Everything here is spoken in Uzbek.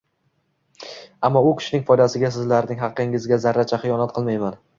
ammo u kishining foydasiga sizlarning haqingizga zarracha xiyonat qilmayman!».